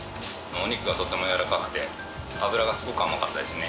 お肉がとてもやわらかくて脂がすごく甘かったですね